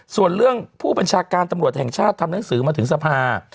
ส่วนเรื่องผู้บัญชาการตำรวจแห่งชาติทำหนังสือมาถึงสภา